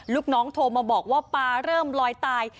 ลูกน้องโทรมาบอกว่าปลาเริ่มลอยตาย